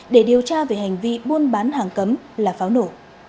để điều tra về hành vi buôn bán hàng cấm là pháo nổ